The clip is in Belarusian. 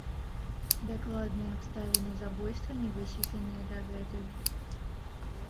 Дакладныя абставіны забойства не высветленыя дагэтуль.